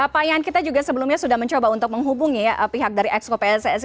pak yan kita juga sebelumnya sudah mencoba untuk menghubungi pihak dari exco pssi